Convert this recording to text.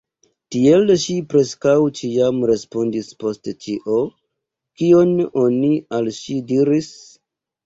Tiel ŝi preskaŭ ĉiam respondis post ĉio, kion oni al ŝi diris.